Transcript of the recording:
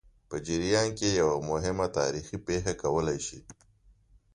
په جریان کې یوه مهمه تاریخي پېښه کولای شي.